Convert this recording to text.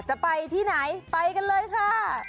จะไปที่ไหนไปกันเลยค่ะ